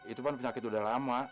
itu kan penyakit udah lama